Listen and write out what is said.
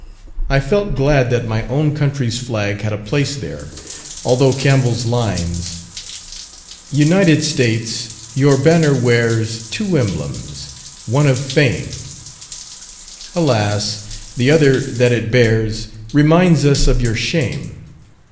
I felt glad that my own country's flag had a place there, although Campbell's lines" "United States, your banner wears, Two emblems, one of fame; Alas, the other that it bears, Reminds us of your shame.